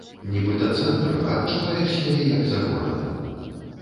Нібыта цэнтр, а адчуваеш сябе як за горадам.